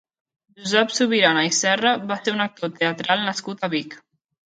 Josep Subirana i Serra va ser un actor teatral nascut a Vic.